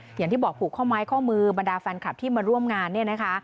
อย่างที่บอกผูกข้อไม้ข้อมือบรรดาแฟนคลับที่มาร่วมงานเนี่ยนะคะ